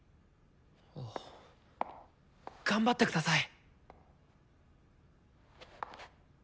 あ頑張ってください。